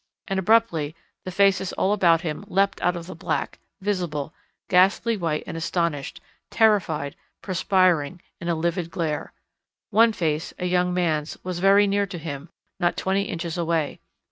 And abruptly the faces all about him leapt out of the black, visible, ghastly white and astonished, terrified, perspiring, in a livid glare. One face, a young man's, was very near to him, not twenty inches away.